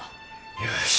よし。